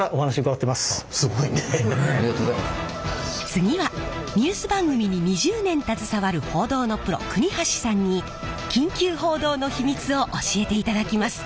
次はニュース番組に２０年携わる報道のプロ国橋さんに緊急報道の秘密を教えていただきます。